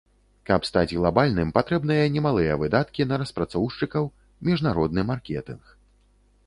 Каб стаць глабальным, патрэбныя немалыя выдаткі на распрацоўшчыкаў, міжнародны маркетынг.